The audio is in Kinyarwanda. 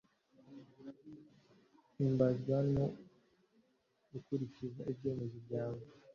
Mpimbazwa no gukurikiza ibyemezo byawe